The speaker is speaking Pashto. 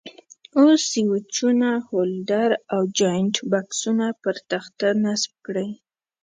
اوس سویچونه، هولډر او جاینټ بکسونه پر تخته نصب کړئ.